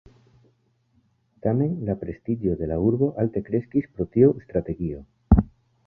Tamen la prestiĝo de la urbo alte kreskis pro tiu strategio.